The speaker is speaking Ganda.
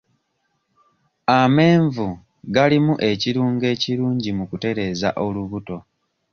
Amenvu galimu ekirungo ekirungi mu kutereeza olubuto.